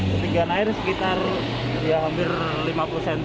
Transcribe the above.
ketinggian air sekitar hampir lima puluh cm